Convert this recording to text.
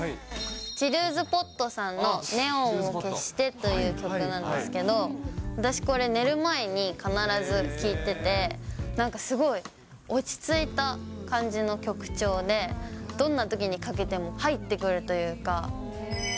チルズポットさんのネオンを消してという曲なんですけど、私、これ、寝る前に必ず聴いてて、なんかすごい、落ち着いた感じの曲調で、どんなときにかけても入ってくるというか。